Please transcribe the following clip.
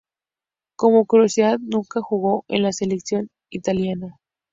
Como curiosidad, nunca jugó en la selección italiana.